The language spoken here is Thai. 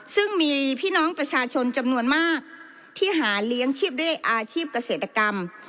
ซึ่งมีพี่น้องประชาชนจำนวนมากที่หาเลี้ยงชีพด้วยอาชีพเกษตรกรรม